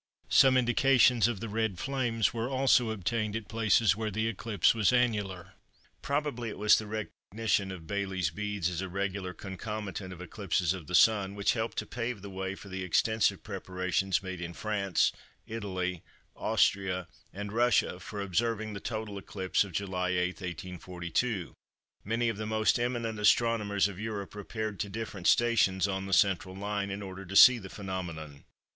Some indications of the Red Flames were also obtained at places where the eclipse was annular. Probably it was the recognition of Baily's Beads as a regular concomitant of eclipses of the Sun, which helped to pave the way for the extensive preparations made in France, Italy, Austria, and Russia for observing the total eclipse of July 8, 1842. Many of the most eminent astronomers of Europe repaired to different stations on the central line in order to see the phenomenon.